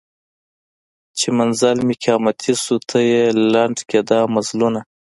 چي منزل مي قیامتي سو ته یې لنډ کي دا مزلونه